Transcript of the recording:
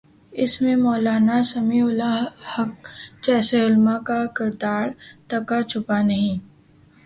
اس میں مولانا سمیع الحق جیسے علماء کا کردار ڈھکا چھپا نہیں۔